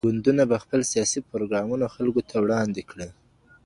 ګوندونه به خپل سياسي پروګرامونه خلکو ته وړاندي کړي.